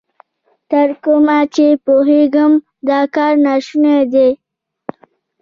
تر کومه چې پوهېږم، دا کار نا شونی دی.